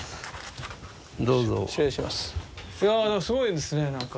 いやでもすごいですねなんか。